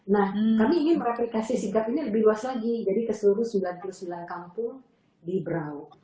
nah kami ingin mereplikasi sigap ini lebih luas lagi jadi ke seluruh sembilan puluh sembilan kampung di berau